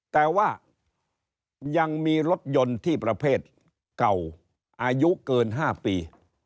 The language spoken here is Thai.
แต่ว่ายังมีรถยนต์ที่ประเภทเก่าอายุเกิน๕ปี